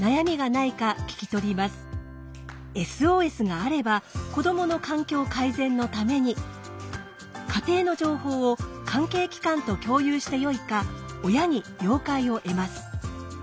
ＳＯＳがあれば子どもの環境改善のために家庭の情報を関係機関と共有してよいか親に了解を得ます。